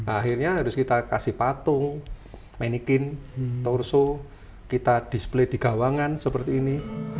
akhirnya harus kita kasih patung menikin torso kita display di gawangan seperti ini